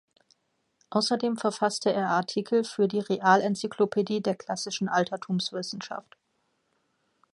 Außerdem verfasste er Artikel für die "Realenzyklopädie der klassischen Altertumswissenschaft".